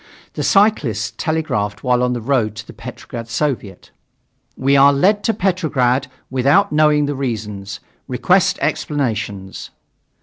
The cyclists telegraphed while on the road to the Petrograd Soviet: "We are led to Petrograd without knowing the reasons. Request explanations."